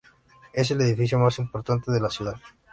Es el edificio más importante de la ciudad.